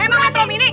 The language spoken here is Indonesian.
emang atau mini